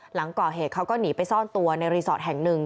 หลังก่อเหตุเขาก็หนีไปซ่อนตัวในรีสอร์ทแห่งหนึ่ง